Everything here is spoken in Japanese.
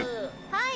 はい。